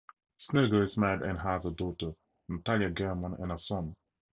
Snegur is married and has a daughter, Natalia Gherman, and a son.